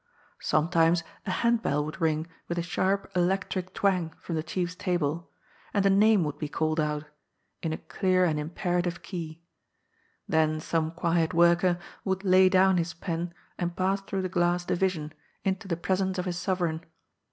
Sometimes a handbell would ring with a sharp, electric twang from the chiefs table, and a name would be called out — in a clear and im perative key. Then some quiet worker would lay down his pen and pass through the glass division, into the presence of his sovereign.